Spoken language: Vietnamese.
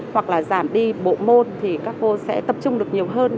hoặc là giảm đi bộ môn thì các cô sẽ tập trung được nhiều hơn